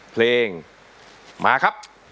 เพลงมาครับ